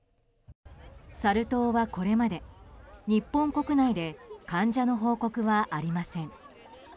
サル痘はこれまで日本国内で患者の報告はありません。